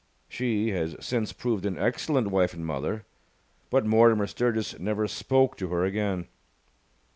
She has since proved an excellent wife and mother, but Mortimer Sturgis never spoke to her again.